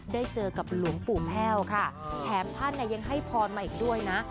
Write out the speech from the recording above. ได้เจอกับหลวงปู่แห้วค่ะแถมท่านยังให้พรมาอีกด้วยนะ